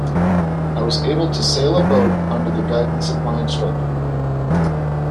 I was able to sail a boat, under the guidance of my instructor.